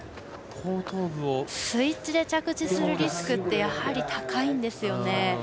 スイッチで着地するリスクってやはり、高いんですよね。